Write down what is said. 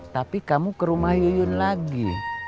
tapi kamu ke rumah yuyun lagi